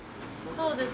そうですね。